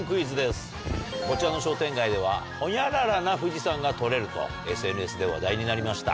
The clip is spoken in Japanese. こちらの商店街ではホニャララな富士山が撮れるとＳＮＳで話題になりました。